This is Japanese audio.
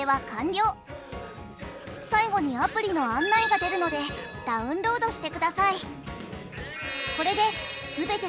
最後にアプリの案内が出るのでダウンロードしてください。